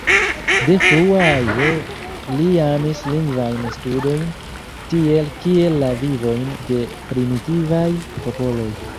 De frua aĝo li amis lingvajn studojn, tiel kiel la vivojn de primitivaj popoloj.